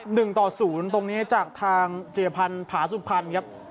หนึ่งต่อศูนย์ตรงนี้จากทางจิรพันธ์ผาสุพรรณครับ